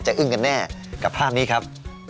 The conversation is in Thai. อึ้งกันแน่กับภาพนี้ครับ